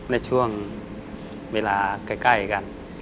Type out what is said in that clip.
ในช่วงเวลาใกล้กัน